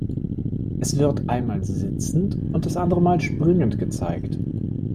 Es wird einmal "sitzend", das andere Mal "springend" gezeigt.